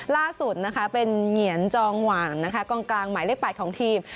ล่าสุดเป็นเหงียนจองหวังกรองกลางหมายเลข๘ของทีม